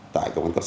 tại công an cấp xã